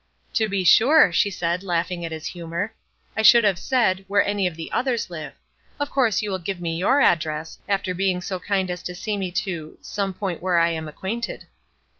"To be sure!" she said, laughing at his humor. "I should have said, where any of the others live. Of course you will give me your address, after being so kind as to see me to some point where I am acquainted."